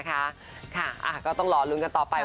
ก็ต้องรอลุ้นกันต่อไป